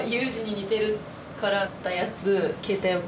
似てる。